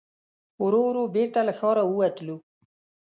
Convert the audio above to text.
ورو ورو بېرته له ښاره ووتلو.